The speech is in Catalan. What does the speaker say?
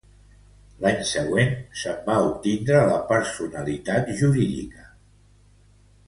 L'any següent, se'n va obtindre la personalitat jurídica.